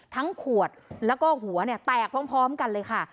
ทั้งขวดแล้วก็หัวแตกพร้อมกันเลยค่ะ